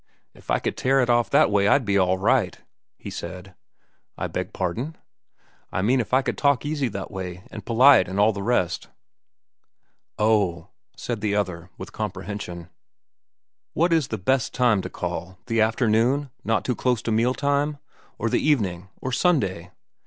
"If I could tear it off that way, I'd be all right," he said. "I beg pardon?" "I mean if I could talk easy that way, an' polite, an' all the rest." "Oh," said the other, with comprehension. "What is the best time to call? The afternoon?—not too close to meal time? Or the evening? Or Sunday?"